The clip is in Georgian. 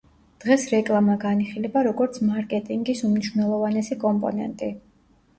დღეს რეკლამა განიხილება, როგორც მარკეტინგის უმნიშვნელოვანესი კომპონენტი.